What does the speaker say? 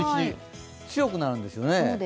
強くなるんですよね。